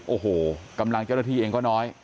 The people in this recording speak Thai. โอ้โหกำลังเจ้าหน้าที่เองก็น้อย